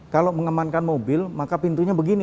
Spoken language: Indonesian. kalau mengemankan mobil maka pintunya begini